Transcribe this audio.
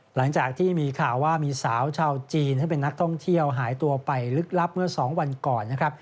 หลังจากที่มีข่าวว่ามีสาวชาวจีนซึ่งเป็นนักท่องเที่ยวหายตัวไปลึกลับเมื่อ๒วันก่อนนะครับ